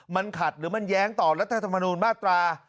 มันขัดหรือมันแย้งต่อรัฐธรรมนูญมาตรา